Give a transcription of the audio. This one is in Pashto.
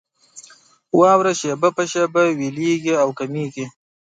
واوره شېبه په شېبه ويلېږي او کمېږي.